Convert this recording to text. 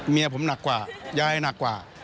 เมียผมหนักกว่ายายหนักกว่า